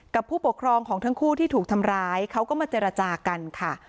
ผู้ปกครองของทั้งคู่ที่ถูกทำร้ายเขาก็มาเจรจากันค่ะ